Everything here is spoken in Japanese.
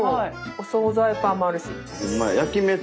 お総菜パンもあるし。